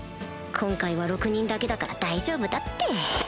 今回は６人だけだから大丈夫だって